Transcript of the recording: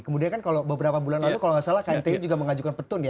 kemudian kan kalau beberapa bulan lalu kalau nggak salah knti juga mengajukan petun ya